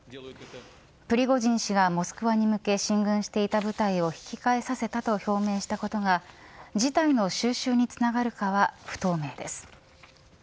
プリゴジン氏がモスクワに向け進軍していた部隊を引き返させたと表明したことが事態の収拾につながるかは不透明です。